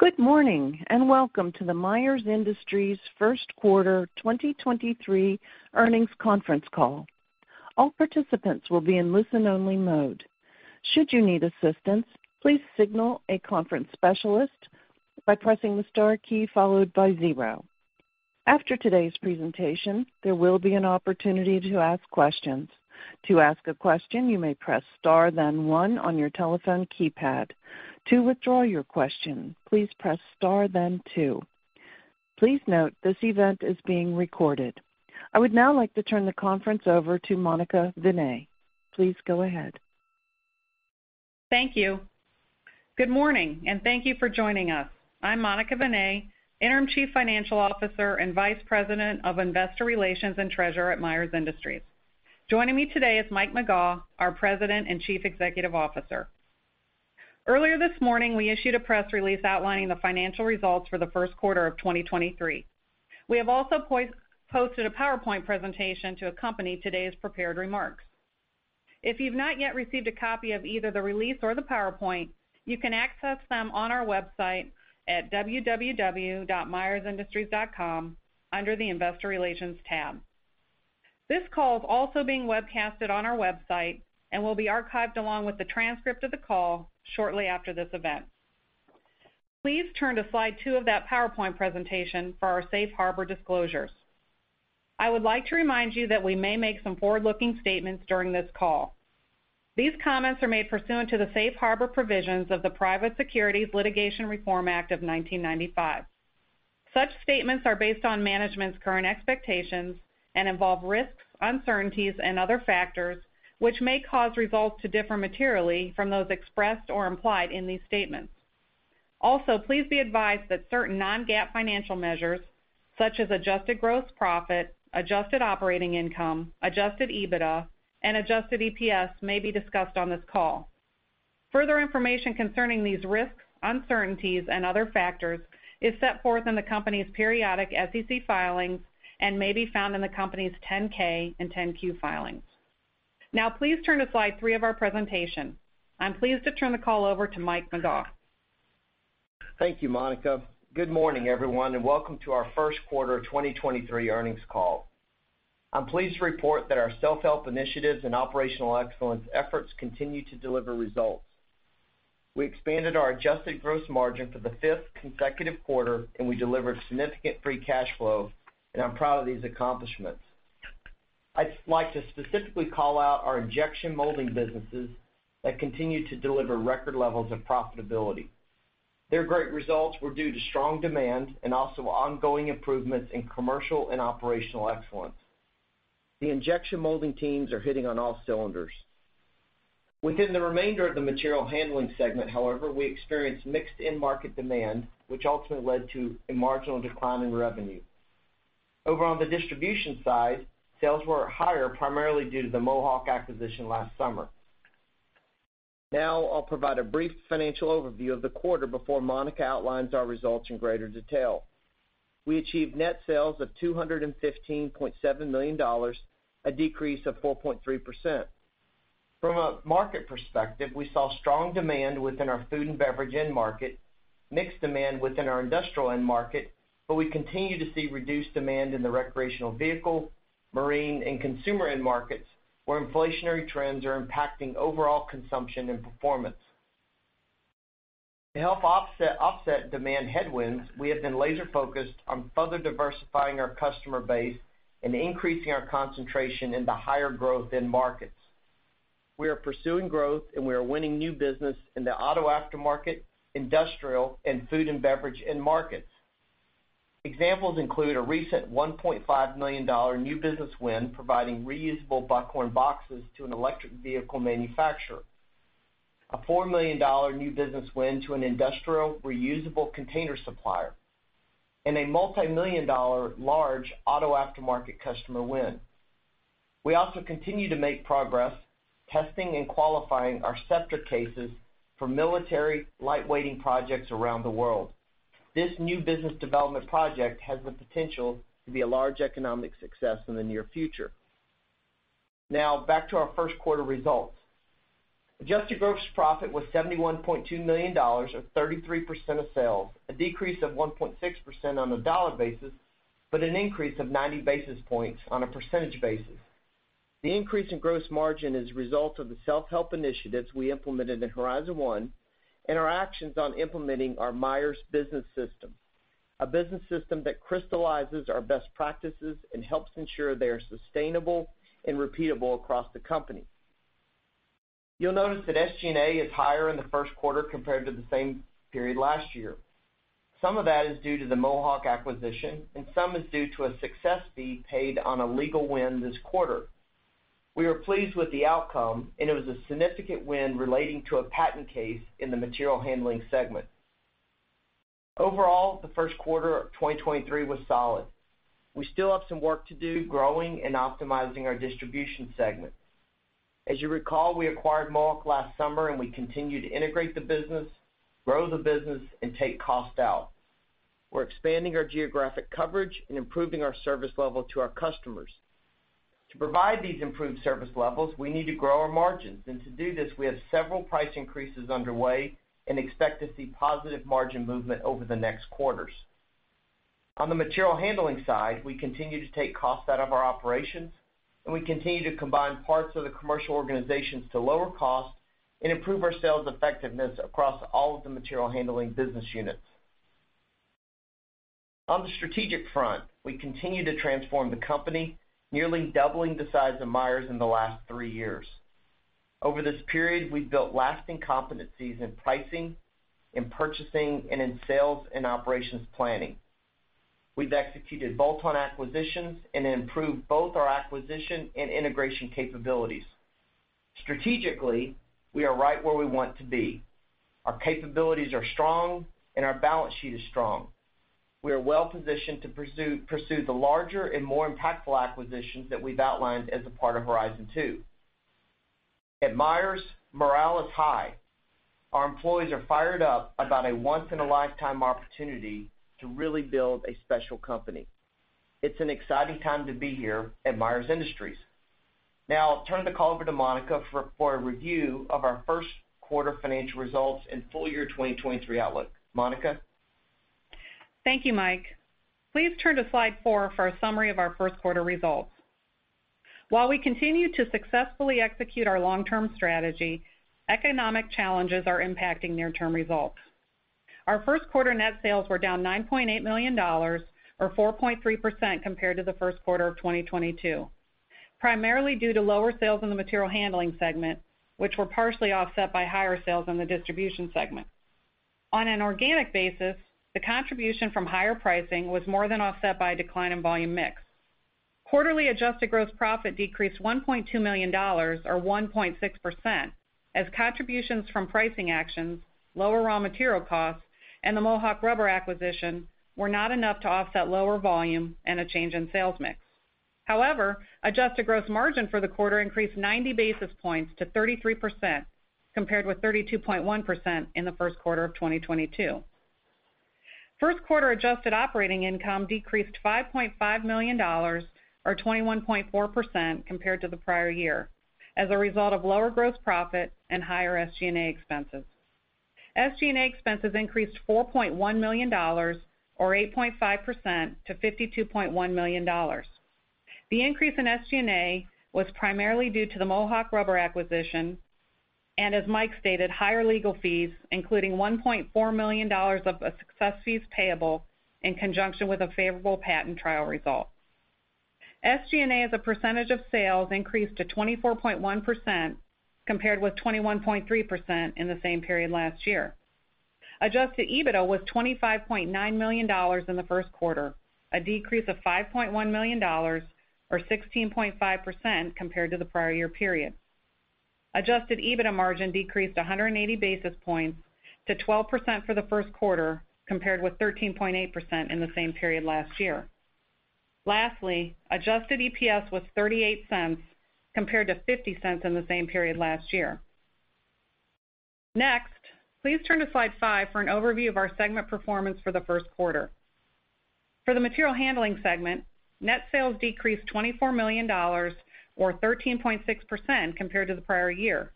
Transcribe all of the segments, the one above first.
Good morning, welcome to the Myers Industries first quarter 2023 earnings conference call. All participants will be in listen-only mode. Should you need assistance, please signal a conference specialist by pressing the star key followed by zero. After today's presentation, there will be an opportunity to ask questions. To ask a question, you may press star then one on your telephone keypad. To withdraw your question, please press star then two. Please note, this event is being recorded. I would now like to turn the conference over to Monica Vinay. Please go ahead. Thank you. Good morning, thank you for joining us. I'm Monica Vinay, Interim Chief Financial Officer and Vice President of Investor Relations and Treasurer at Myers Industries. Joining me today is Mike McGaugh, our President and Chief Executive Officer. Earlier this morning, we issued a press release outlining the financial results for the first quarter of 2023. We have also posted a PowerPoint presentation to accompany today's prepared remarks. If you've not yet received a copy of either the release or the PowerPoint, you can access them on our website at www.myersindustries.com under the Investor Relations tab. This call is also being webcasted on our website and will be archived along with the transcript of the call shortly after this event. Please turn to slide two of that PowerPoint presentation for our Safe Harbor disclosures. I would like to remind you that we may make some forward-looking statements during this call. These comments are made pursuant to the Safe Harbor provisions of the Private Securities Litigation Reform Act of 1995. Such statements are based on management's current expectations and involve risks, uncertainties and other factors which may cause results to differ materially from those expressed or implied in these statements. Please be advised that certain non-GAAP financial measures such as adjusted gross profit, adjusted operating income, adjusted EBITDA, and adjusted EPS may be discussed on this call. Further information concerning these risks, uncertainties and other factors is set forth in the company's periodic SEC filings and may be found in the company's 10-K and 10-Q filings. Please turn to slide three of our presentation. I'm pleased to turn the call over to Mike McGaugh. Thank you, Monica. Good morning, everyone, welcome to our first quarter of 2023 earnings call. I'm pleased to report that our self-help initiatives and operational excellence efforts continue to deliver results. We expanded our adjusted gross margin for the fifth consecutive quarter, we delivered significant free cash flow, I'm proud of these accomplishments. I'd like to specifically call out our injection molding businesses that continue to deliver record levels of profitability. Their great results were due to strong demand and also ongoing improvements in commercial and operational excellence. The injection molding teams are hitting on all cylinders. Within the remainder of the Material Handling segment, however, we experienced mixed end market demand, which ultimately led to a marginal decline in revenue. Over on the Distribution side, sales were higher, primarily due to the Mohawk acquisition last summer. I'll provide a brief financial overview of the quarter before Monica outlines our results in greater detail. We achieved net sales of $215.7 million, a decrease of 4.3%. From a market perspective, we saw strong demand within our food and beverage end market, mixed demand within our industrial end market, we continue to see reduced demand in the recreational vehicle, marine, and consumer end markets, where inflationary trends are impacting overall consumption and performance. To help offset demand headwinds, we have been laser-focused on further diversifying our customer base and increasing our concentration in the higher growth end markets. We are pursuing growth, we are winning new business in the auto aftermarket, industrial, and food and beverage end markets. Examples include a recent $1.5 million new business win providing reusable Buckhorn boxes to an electric vehicle manufacturer, a $4 million new business win to an industrial reusable container supplier, and a multimillion-dollar large auto aftermarket customer win. We also continue to make progress testing and qualifying our Scepter cases for military lightweighting projects around the world. This new business development project has the potential to be a large economic success in the near future. Now back to our first quarter results. Adjusted gross profit was $71.2 million of 33% of sales, a decrease of 1.6% on a dollar basis, but an increase of 90 basis points on a percentage basis. The increase in gross margin is a result of the self-help initiatives we implemented in Horizon One and our actions on implementing our Myers Business System, a Business System that crystallizes our best practices and helps ensure they are sustainable and repeatable across the company. You'll notice that SG&A is higher in the first quarter compared to the same period last year. Some of that is due to the Mohawk acquisition, and some is due to a success fee paid on a legal win this quarter. We were pleased with the outcome, and it was a significant win relating to a patent case in the Material Handling segment. Overall, the first quarter of 2023 was solid. We still have some work to do growing and optimizing our Distribution segment. As you recall, we acquired Mohawk last summer, and we continue to integrate the business, grow the business, and take cost out. We're expanding our geographic coverage and improving our service level to our customers. To provide these improved service levels, we need to grow our margins. To do this, we have several price increases underway and expect to see positive margin movement over the next quarters. On the Material Handling side, we continue to take costs out of our operations, and we continue to combine parts of the commercial organizations to lower costs and improve our sales effectiveness across all of the Material Handling business units. On the strategic front, we continue to transform the company, nearly doubling the size of Myers in the last three years. Over this period, we've built lasting competencies in pricing, in purchasing, and in sales and operations planning. We've executed bolt-on acquisitions and improved both our acquisition and integration capabilities. Strategically, we are right where we want to be. Our capabilities are strong and our balance sheet is strong. We are well-positioned to pursue the larger and more impactful acquisitions that we've outlined as a part of Horizon Two. At Myers, morale is high. Our employees are fired up about a once-in-a-lifetime opportunity to really build a special company. It's an exciting time to be here at Myers Industries. I'll turn the call over to Monica for a review of our first quarter financial results and full-year 2023 outlook. Monica? Thank you, Mike. Please turn to slide four for a summary of our first quarter results. While we continue to successfully execute our long-term strategy, economic challenges are impacting near-term results. Our first quarter net sales were down $9.8 million, or 4.3% compared to the first quarter of 2022, primarily due to lower sales in the Material Handling segment, which were partially offset by higher sales in the Distribution segment. On an organic basis, the contribution from higher pricing was more than offset by a decline in volume mix. Quarterly adjusted gross profit decreased $1.2 million or 1.6% as contributions from pricing actions, lower raw material costs, and the Mohawk Rubber acquisition were not enough to offset lower volume and a change in sales mix. However, adjusted gross margin for the quarter increased 90 basis points to 33%, compared with 32.1% in the first quarter of 2022. First quarter adjusted operating income decreased $5.5 million, or 21.4% compared to the prior year as a result of lower gross profit and higher SG&A expenses. SG&A expenses increased $4.1 million or 8.5% to $52.1 million. The increase in SG&A was primarily due to the Mohawk Rubber acquisition, and as Mike stated, higher legal fees, including $1.4 million of success fees payable in conjunction with a favorable patent trial result. SG&A as a percentage of sales increased to 24.1%, compared with 21.3% in the same period last year. Adjusted EBITDA was $25.9 million in the first quarter, a decrease of $5.1 million or 16.5% compared to the prior year period. Adjusted EBITDA margin decreased 180 basis points to 12% for the first quarter, compared with 13.8% in the same period last year. Lastly, adjusted EPS was $0.38 compared to $0.50 in the same period last year. Please turn to slide five for an overview of our segment performance for the first quarter. For the Material Handling segment, net sales decreased $24 million or 13.6% compared to the prior year.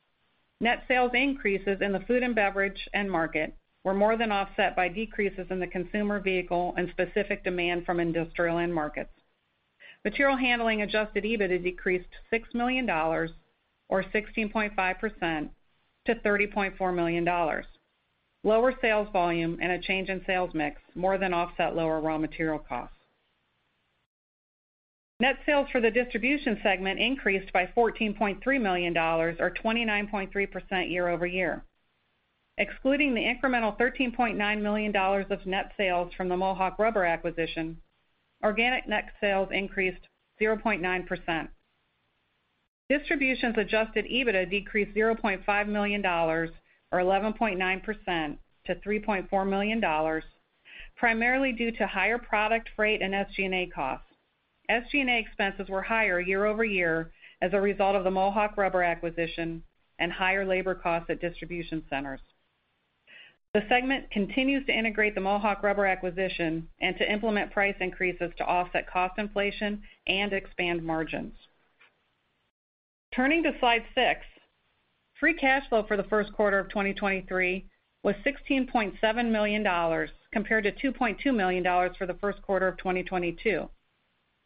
Net sales increases in the food and beverage end market were more than offset by decreases in the consumer vehicle and specific demand from industrial end markets. Material Handling adjusted EBITDA decreased $6 million or 16.5% to $30.4 million. Lower sales volume and a change in sales mix more than offset lower raw material costs. Net sales for the Distribution segment increased by $14.3 million or 29.3% year-over-year. Excluding the incremental $13.9 million of net sales from the Mohawk Rubber acquisition, organic net sales increased 0.9%. Distribution's adjusted EBITDA decreased $0.5 million, or 11.9% to $3.4 million, primarily due to higher product freight and SG&A costs. SG&A expenses were higher year-over-year as a result of the Mohawk Rubber acquisition and higher labor costs at distribution centers. The segment continues to integrate the Mohawk Rubber acquisition and to implement price increases to offset cost inflation and expand margins. Turning to slide six. Free cash flow for the first quarter of 2023 was $16.7 million compared to $2.2 million for the first quarter of 2022.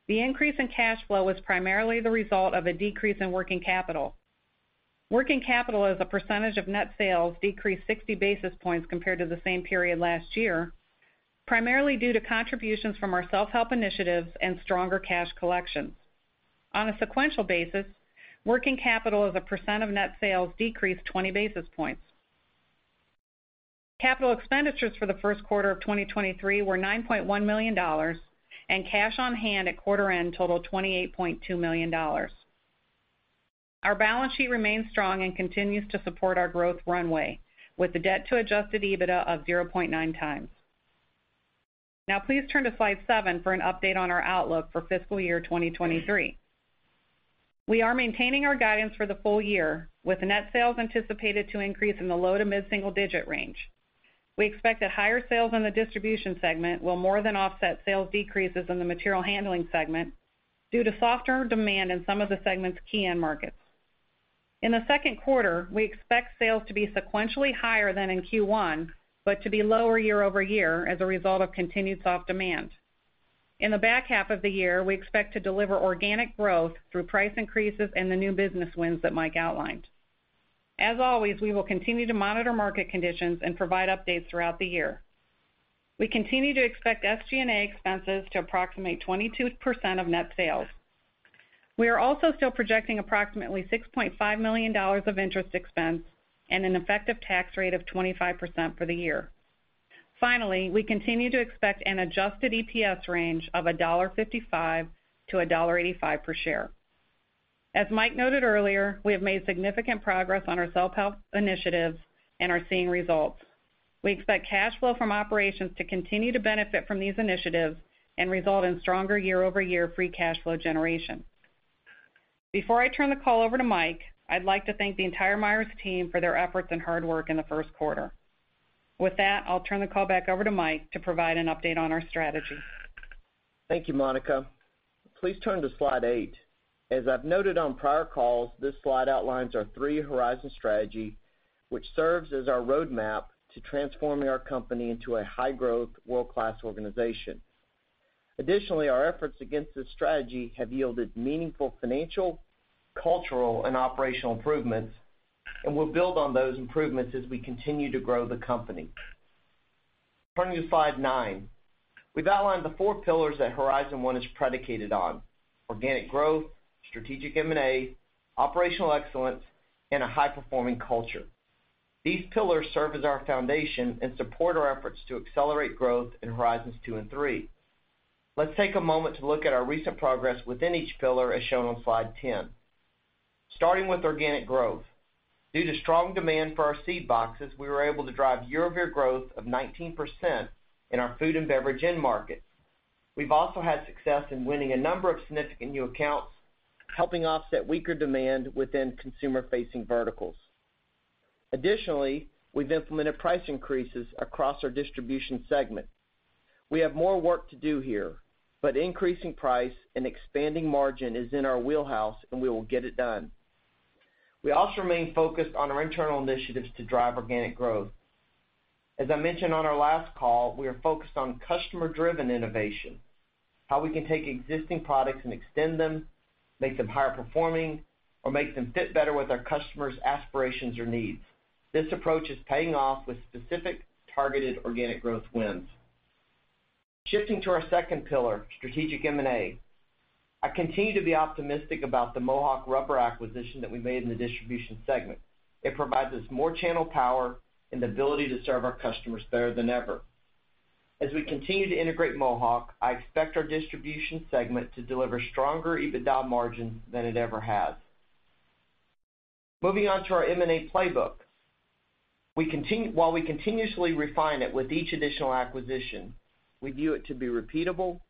The increase in cash flow was primarily the result of a decrease in working capital. Working capital as a percentage of net sales decreased 60 basis points compared to the same period last year, primarily due to contributions from our self-help initiatives and stronger cash collections. On a sequential basis, working capital as a % of net sales decreased 20 basis points. Capital expenditures for the first quarter of 2023 were $9.1 million, and cash on hand at quarter end totaled $28.2 million. Our balance sheet remains strong and continues to support our growth runway with the debt to adjusted EBITDA of 0.9x. Please turn to slide seven for an update on our outlook for fiscal year 2023. We are maintaining our guidance for the full year with net sales anticipated to increase in the low to mid-single digit range. We expect that higher sales in the Distribution segment will more than offset sales decreases in the Material Handling segment due to softer demand in some of the segment's key end markets. In the second quarter, we expect sales to be sequentially higher than in Q1, but to be lower year-over-year as a result of continued soft demand. In the back half of the year, we expect to deliver organic growth through price increases and the new business wins that Mike outlined. As always, we will continue to monitor market conditions and provide updates throughout the year. We continue to expect SG&A expenses to approximate 22% of net sales. We are also still projecting approximately $6.5 million of interest expense and an effective tax rate of 25% for the year. Finally, we continue to expect an adjusted EPS range of $1.55-$1.85 per share. As Mike noted earlier, we have made significant progress on our self-help initiatives and are seeing results. We expect cash flow from operations to continue to benefit from these initiatives and result in stronger year-over-year free cash flow generation. Before I turn the call over to Mike, I'd like to thank the entire Myers team for their efforts and hard work in the first quarter. With that, I'll turn the call back over to Mike to provide an update on our strategy. Thank you, Monica. Please turn to slide eight. As I've noted on prior calls, this slide outlines our Three-Horizon Strategy, which serves as our roadmap to transforming our company into a high-growth, world-class organization. Our efforts against this strategy have yielded meaningful financial, cultural, and operational improvements, and we'll build on those improvements as we continue to grow the company. Turning to slide nine. We've outlined the four pillars that Horizon One is predicated on: organic growth, strategic M&A, operational excellence, and a high-performing culture. These pillars serve as our foundation and support our efforts to accelerate growth in Horizons Two and Three. Let's take a moment to look at our recent progress within each pillar, as shown on slide 10. Starting with organic growth. Due to strong demand for our seed boxes, we were able to drive year-over-year growth of 19% in our food and beverage end markets. We've also had success in winning a number of significant new accounts, helping offset weaker demand within consumer-facing verticals. Additionally, we've implemented price increases across our Distribution segment. We have more work to do here, but increasing price and expanding margin is in our wheelhouse, and we will get it done. We also remain focused on our internal initiatives to drive organic growth. As I mentioned on our last call, we are focused on customer-driven innovation, how we can take existing products and extend them, make them higher performing, or make them fit better with our customers' aspirations or needs. This approach is paying off with specific targeted organic growth wins. Shifting to our second pillar, strategic M&A. I continue to be optimistic about the Mohawk Rubber acquisition that we made in the Distribution segment. It provides us more channel power and the ability to serve our customers better than ever. As we continue to integrate Mohawk, I expect our Distribution segment to deliver stronger EBITDA margins than it ever has. Moving on to our M&A playbook. While we continuously refine it with each additional acquisition, we view it to be repeatable,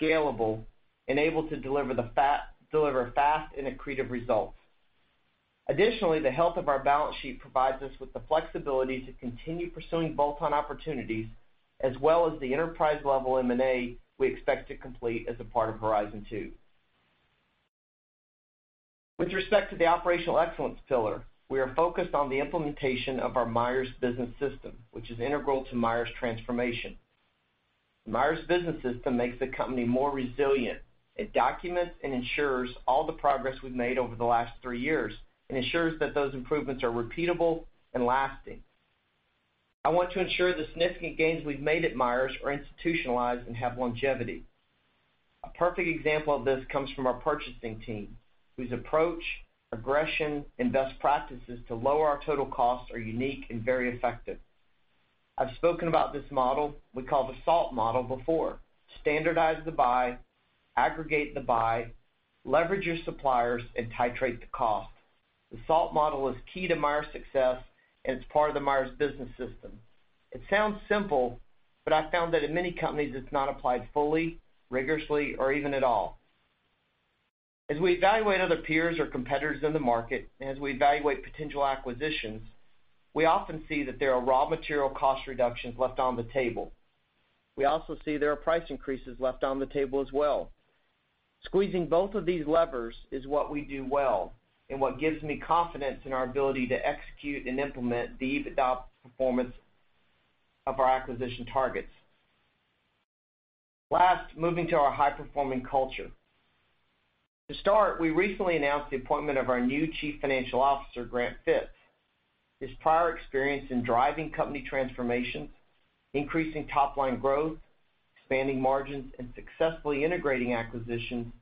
scalable, and able to deliver fast and accretive results. Additionally, the health of our balance sheet provides us with the flexibility to continue pursuing bolt-on opportunities, as well as the enterprise-level M&A we expect to complete as a part of Horizon Two. With respect to the operational excellence pillar, we are focused on the implementation of our Myers Business System, which is integral to Myers transformation. Myers Business System makes the company more resilient. It documents and ensures all the progress we've made over the last three years and ensures that those improvements are repeatable and lasting. I want to ensure the significant gains we've made at Myers are institutionalized and have longevity. A perfect example of this comes from our purchasing team, whose approach, aggression, and best practices to lower our total costs are unique and very effective. I've spoken about this model we call the SALT model before. Standardize the buy, aggregate the buy, leverage your suppliers, and titrate the cost. The SALT model is key to Myers' success, and it's part of the Myers Business System. It sounds simple, but I found that in many companies, it's not applied fully, rigorously, or even at all. As we evaluate other peers or competitors in the market, and as we evaluate potential acquisitions, we often see that there are raw material cost reductions left on the table. We also see there are price increases left on the table as well. Squeezing both of these levers is what we do well and what gives me confidence in our ability to execute and implement the EBITDA performance of our acquisition targets. Last, moving to our high-performing culture. To start, we recently announced the appointment of our new Chief Financial Officer, Grant Phipps. His prior experience in driving company transformations, increasing top-line growth, expanding margins, and successfully integrating acquisitions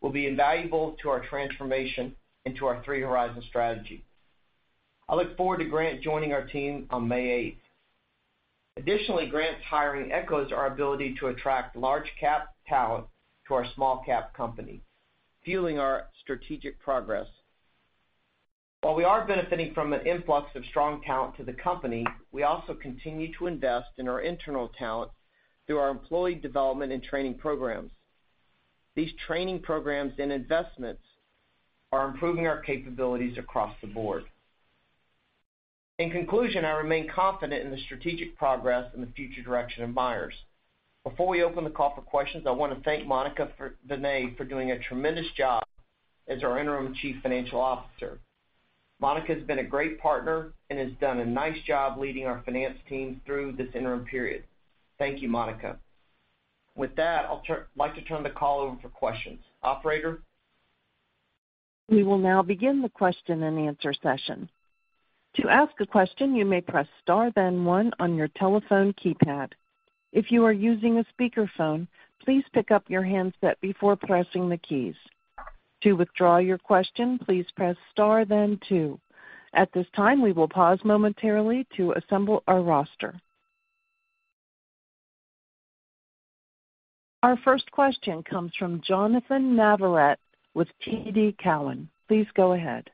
will be invaluable to our transformation into our Three-Horizon Strategy. I look forward to Grant joining our team on May 8th. Additionally, Grant's hiring echoes our ability to attract large cap talent to our small cap company, fueling our strategic progress. While we are benefiting from an influx of strong talent to the company, we also continue to invest in our internal talent through our employee development and training programs. These training programs and investments are improving our capabilities across the board. In conclusion, I remain confident in the strategic progress and the future direction of Myers. Before we open the call for questions, I wanna thank Monica Vinay for doing a tremendous job as our interim Chief Financial Officer. Monica has been a great partner and has done a nice job leading our finance team through this interim period. Thank you, Monica. With that, like to turn the call over for questions. Operator? We will now begin the question and answer session. To ask a question, you may press star then one on your telephone keypad. If you are using a speakerphone, please pick up your handset before pressing the keys. To withdraw your question, please press star then two. At this time, we will pause momentarily to assemble our roster. Our first question comes from Jonnathan Navarrete with TD Cowen. Please go ahead.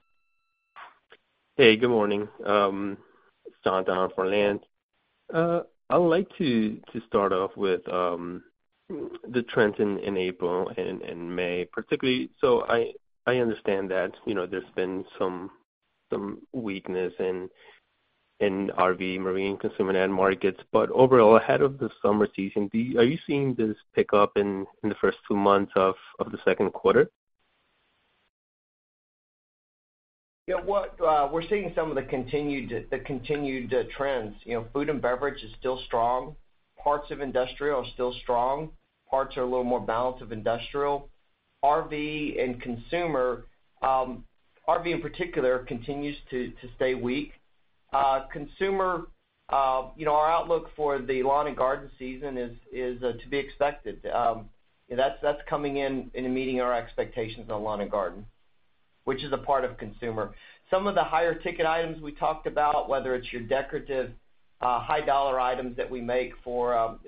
Hey, good morning. It's Jonnathan on the line. I would like to start off with the trends in April and in May, particularly. I understand that, you know, there's been some weakness in RV, marine, consumer end markets. Overall, ahead of the summer season, are you seeing this pick up in the first two months of the second quarter? What we're seeing some of the continued trends. You know, food and beverage is still strong. Parts of industrial are still strong. Parts are a little more balanced of industrial. RV and consumer, RV in particular continues to stay weak. Consumer, you know, our outlook for the lawn and garden season is to be expected. That's coming in and meeting our expectations on lawn and garden, which is a part of consumer. Some of the higher ticket items we talked about, whether it's your decorative, high dollar items that we make for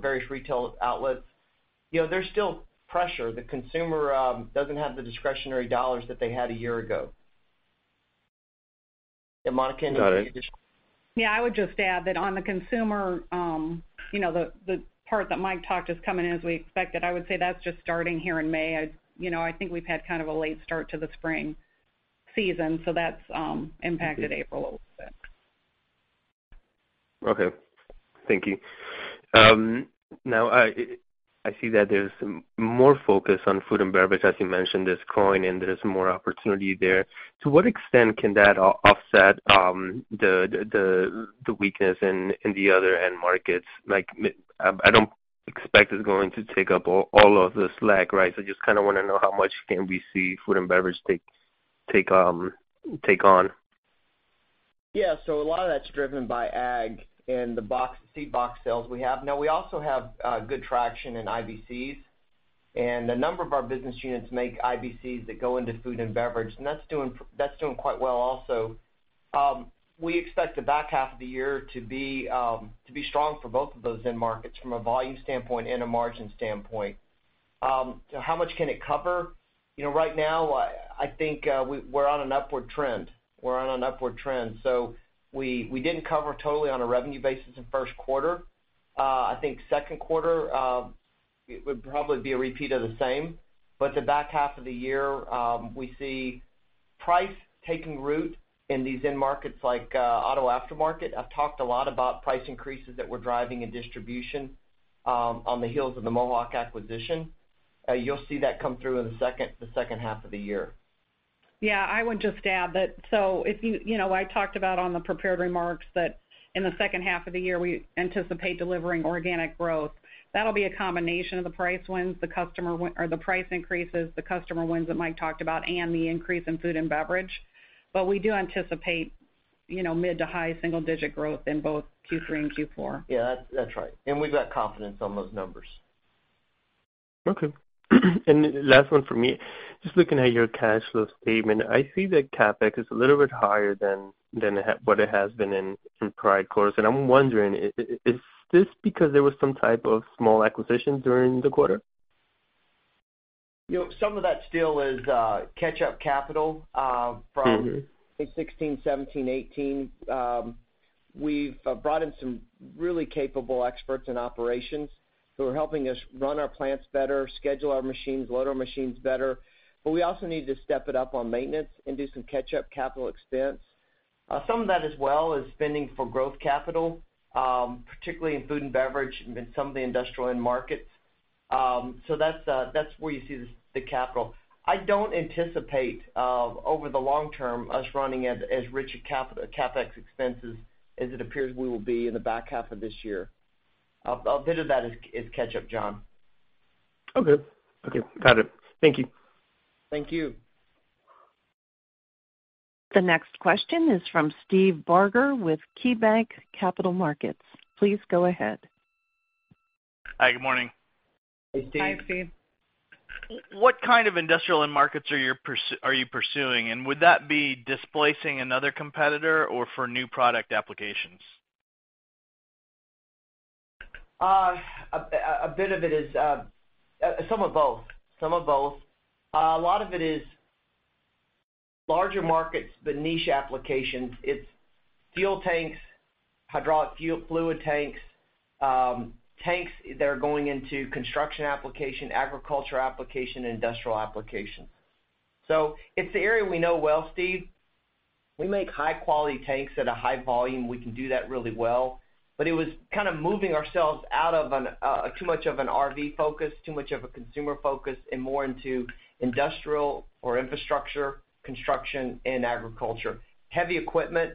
various retail outlets, you know, there's still pressure. The consumer doesn't have the discretionary dollars that they had a year ago. Monica, anything you'd. Got it. Yeah, I would just add that on the consumer, you know, the part that Mike talked is coming in as we expected. I would say that's just starting here in May. You know, I think we've had kind of a late start to the spring season, so that's impacted April a little bit. Okay. Thank you. Now I see that there's more focus on food and beverage. As you mentioned, there's coin and there's more opportunity there. To what extent can that offset the weakness in the other end markets? Like, I don't expect it's going to take up all of the slack, right? I just kinda wanna know how much can we see food and beverage take on. Yeah. A lot of that's driven by ag and the seed box sales we have. Now we also have good traction in IBCs, and a number of our business units make IBCs that go into food and beverage, and that's doing quite well also. We expect the back half of the year to be strong for both of those end markets from a volume standpoint and a margin standpoint. How much can it cover? You know, right now I think we're on an upward trend. We're on an upward trend. We didn't cover totally on a revenue basis in first quarter. I think second quarter, it would probably be a repeat of the same. The back half of the year, we see price taking root in these end markets like auto aftermarket. I've talked a lot about price increases that we're driving in Distribution, on the heels of the Mohawk acquisition. You'll see that come through in the second half of the year. Yeah. I would just add that. You know, I talked about on the prepared remarks that in the second half of the year, we anticipate delivering organic growth. That'll be a combination of the price wins, the price increases, the customer wins that Mike talked about and the increase in food and beverage. We do anticipate, you know, mid to high single-digit growth in both Q3 and Q4. Yeah, that's right. We've got confidence on those numbers. Okay. last one for me. Just looking at your cash flow statement, I see that CapEx is a little bit higher than what it has been in prior quarters. I'm wondering, is this because there was some type of small acquisitions during the quarter? You know, some of that still is, catch-up capital. Mm-hmm From 16, 17, 18. We've brought in some really capable experts in operations who are helping us run our plants better, schedule our machines, load our machines better. We also need to step it up on maintenance and do some catch-up capital expense. Some of that as well is spending for growth capital, particularly in food and beverage and some of the industrial end markets. That's, that's where you see the capital. I don't anticipate over the long term us running as rich a CapEx expenses as it appears we will be in the back half of this year. Bit of that is catch-up, Jon. Okay. Okay, got it. Thank you. Thank you. The next question is from Steve Barger with KeyBanc Capital Markets. Please go ahead. Hi, good morning. Hey, Steve. Hi, Steve. What kind of industrial end markets are you pursuing? Would that be displacing another competitor or for new product applications? A bit of it is some of both. Some of both. A lot of it is larger markets, but niche applications. It's fuel tanks, hydraulic fuel fluid tanks that are going into construction application, agriculture application, and industrial application. It's the area we know well, Steve. We make high quality tanks at a high volume. We can do that really well. It was kind of moving ourselves out of too much of an RV focus, too much of a consumer focus and more into industrial or infrastructure, construction and agriculture. Heavy equipment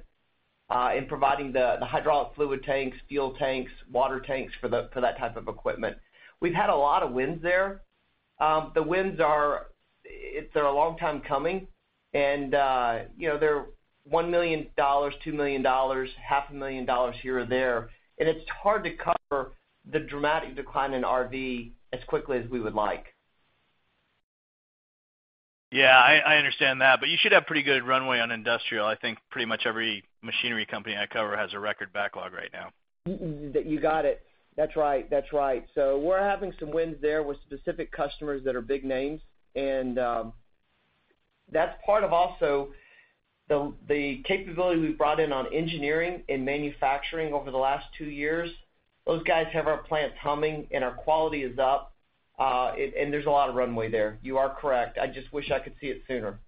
in providing the hydraulic fluid tanks, fuel tanks, water tanks for that type of equipment. We've had a lot of wins there. The wins are. It's they're a long time coming and, you know, they're $1 million, $2 million, half a million dollars here or there. It's hard to cover the dramatic decline in RV as quickly as we would like. Yeah, I understand that. You should have pretty good runway on industrial. I think pretty much every machinery company I cover has a record backlog right now. You got it. That's right. That's right. We're having some wins there with specific customers that are big names. That's part of also the capability we've brought in on engineering and manufacturing over the last two years. Those guys have our plants humming, and our quality is up. There's a lot of runway there. You are correct. I just wish I could see it sooner.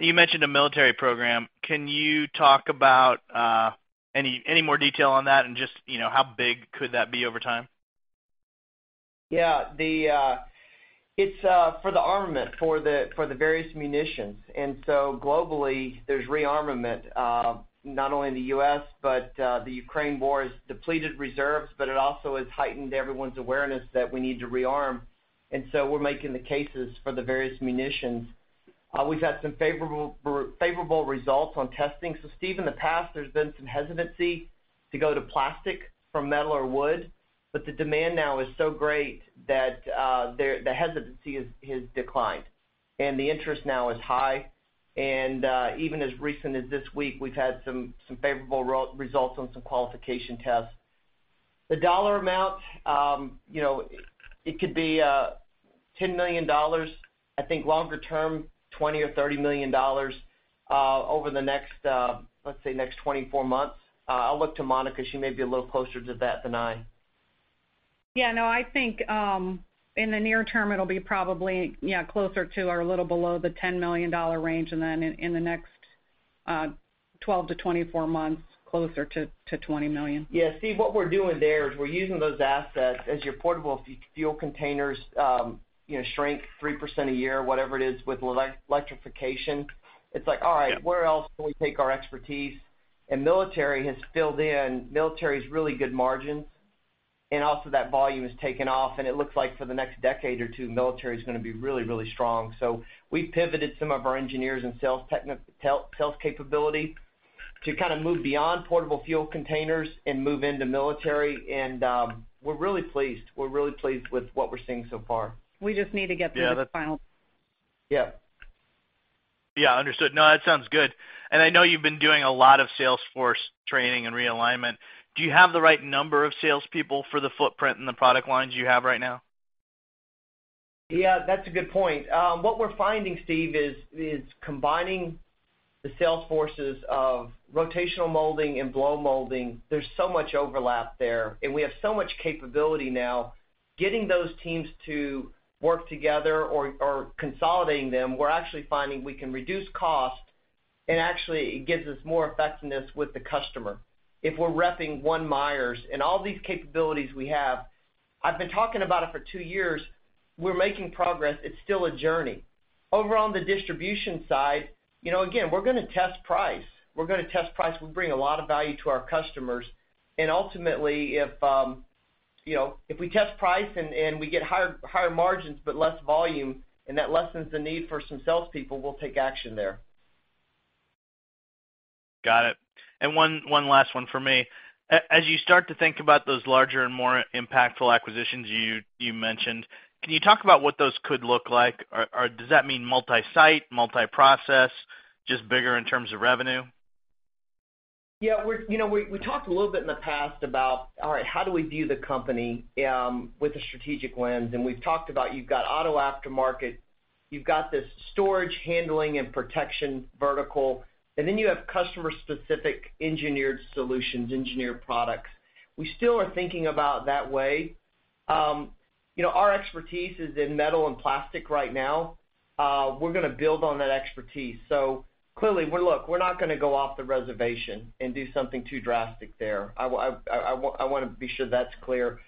Yeah. You mentioned a military program. Can you talk about any more detail on that and just, you know, how big could that be over time? Yeah. It's for the armament for the various munitions. Globally, there's rearmament, not only in the U.S., but the Ukraine war has depleted reserves, but it also has heightened everyone's awareness that we need to rearm. We're making the cases for the various munitions. We've had some favorable results on testing. Steve, in the past, there's been some hesitancy to go to plastic from metal or wood, but the demand now is so great that the hesitancy has declined and the interest now is high. Even as recent as this week, we've had some favorable results on some qualification tests. The dollar amount, you know, it could be $10 million. I think longer term, $20 million-$30 million, over the next, let's say, next 24 months. I'll look to Monica. She may be a little closer to that than I am. Yeah, no, I think, in the near term it'll be probably, yeah, closer to or a little below the $10 million range. Then in the next 12-24 months, closer to $20 million. Yeah. Steve, what we're doing there is we're using those assets as your portable fuel containers, you know, shrink 3% a year, whatever it is, with electrification. It's like, all right, where else can we take our expertise? Military has filled in. Military has really good margins, and also that volume has taken off. It looks like for the next decade or two, military is gonna be really, really strong. So we've pivoted some of our engineers and sales capability to kind of move beyond portable fuel containers and move into military. We're really pleased. We're really pleased with what we're seeing so far. We just need to get through this. Yeah. Yeah, understood. No, that sounds good. I know you've been doing a lot of sales force training and realignment. Do you have the right number of salespeople for the footprint and the product lines you have right now? Yeah, that's a good point. What we're finding, Steve, is combining the sales forces of rotational molding and blow molding, there's so much overlap there, and we have so much capability now. Getting those teams to work together or consolidating them, we're actually finding we can reduce cost, and actually it gives us more effectiveness with the customer if we're repping one Myers. All these capabilities we have, I've been talking about it for two years, we're making progress. It's still a journey. Over on the Distribution side, you know, again, we're gonna test price. We're gonna test price. We bring a lot of value to our customers. Ultimately, if, you know, if we test price and we get higher margins but less volume, and that lessens the need for some salespeople, we'll take action there. Got it. One last one for me. As you start to think about those larger and more impactful acquisitions you mentioned, can you talk about what those could look like? Does that mean multi-site, multi-process, just bigger in terms of revenue? Yeah. You know, we talked a little bit in the past about, all right, how do we view the company with a strategic lens? We've talked about you've got auto aftermarket, you've got this storage handling and protection vertical, you have customer specific engineered solutions, engineered products. We still are thinking about that way. You know, our expertise is in metal and plastic right now. We're gonna build on that expertise. Clearly, Look, we're not gonna go off the reservation and do something too drastic there. I want, I wanna be sure that's clear.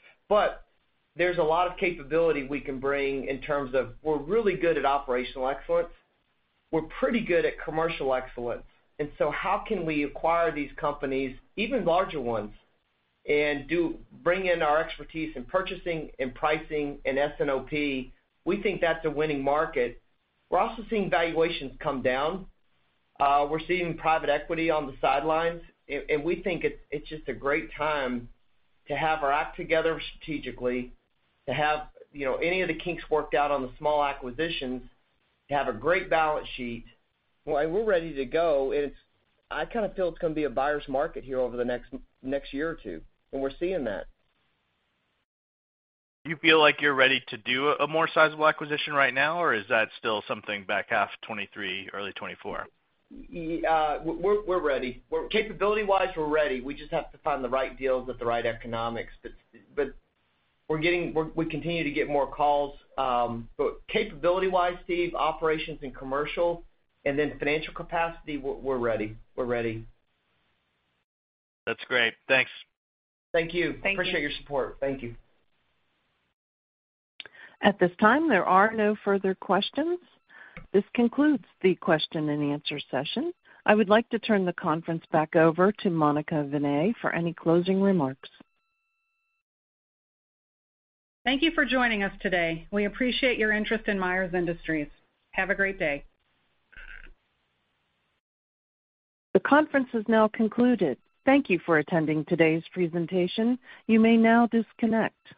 There's a lot of capability we can bring in terms of we're really good at operational excellence. We're pretty good at commercial excellence. How can we acquire these companies, even larger ones, and bring in our expertise in purchasing and pricing and S&OP? We think that's a winning market. We're also seeing valuations come down. We're seeing private equity on the sidelines. We think it's just a great time to have our act together strategically, to have, you know, any of the kinks worked out on the small acquisitions, to have a great balance sheet. We're ready to go, and it's. I kinda feel it's gonna be a buyer's market here over the next year or two, and we're seeing that. You feel like you're ready to do a more sizable acquisition right now, or is that still something back half 2023, early 2024? We're ready. Capability-wise, we're ready. We just have to find the right deals with the right economics. We continue to get more calls. Capability-wise, Steve, operations and commercial, and then financial capacity, we're ready. We're ready. That's great. Thanks. Thank you. Thank you. Appreciate your support. Thank you. At this time, there are no further questions. This concludes the question and answer session. I would like to turn the conference back over to Monica Vinay for any closing remarks. Thank you for joining us today. We appreciate your interest in Myers Industries. Have a great day. The conference is now concluded. Thank you for attending today's presentation. You may now disconnect.